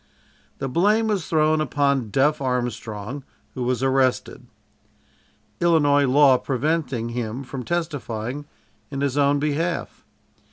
The blame was thrown upon "Duff" Armstrong, who was arrested. Illinois law preventing him from testifying in his own behalf.